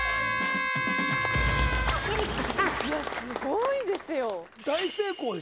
すごいですよ。